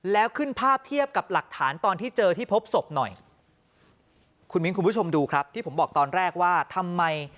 แล้วขึ้นภาพเทียบกับหลักฐานตอนที่เจอที่พบศพหน่อยคุณมิ้นคุณผู้ชมดูครับที่ผมบอกตอนแรกว่าทำไม